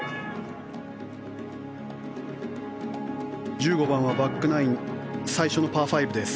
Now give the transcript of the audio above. １５番はバックナイン最初のパー５です。